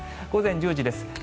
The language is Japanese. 午前１０時です。